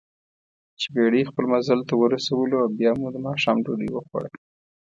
چې بېړۍ خپل منزل ته ورسولواو بیا مو دماښام ډوډۍ وخوړه.